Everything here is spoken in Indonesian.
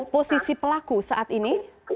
posisi pelaku saat ini